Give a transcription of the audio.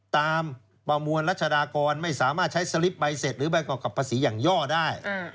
ประมวลรัชดากรไม่สามารถใช้สลิปใบเสร็จหรือใบกรอบกับภาษีอย่างย่อได้